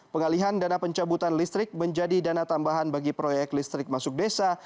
pengalihan dana pencabutan listrik menjadi dana tambahan bagi proyek listrik masuk desa